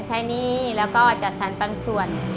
ใช้หนี้แล้วก็จัดสรรปันส่วน